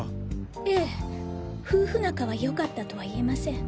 ええ夫婦仲は良かったとは言えません。